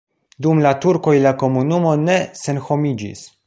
Dum la turkoj la komunumo ne senhomiĝis.